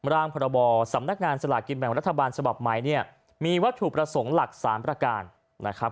ร่างพรบสำนักงานสลากกินแบ่งรัฐบาลฉบับใหม่เนี่ยมีวัตถุประสงค์หลักสามประการนะครับ